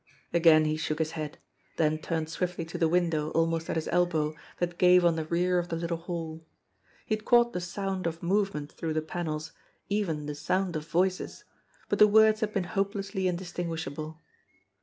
Again he shook his head, then turned swiftly to the window almost at his elbow that gave on the rear of the little hall. He had caught the sound of movement through the panels, even the sound of voices, but the words had been hopelessly indistinguishable.